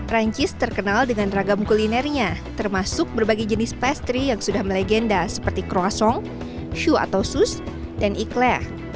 rancis terkenal dengan ragam kulinernya termasuk berbagai jenis pastry yang sudah melegenda seperti croissant choux atau sus dan ikhlaq